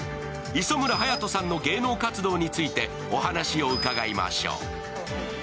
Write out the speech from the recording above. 磯村勇斗さんの芸能活動についてお話を伺いましょう。